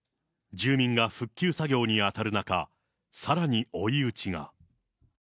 住民が復旧作業に当たる中、さらに追い打ちが。